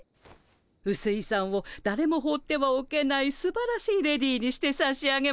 うすいさんをだれも放ってはおけないすばらしいレディーにしてさしあげますわ。